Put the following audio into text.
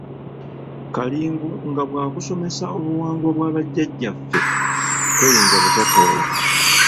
Kalingu nga bw’akusomesa obuwangwa bwa bajjajjaffe toyinza butatoola.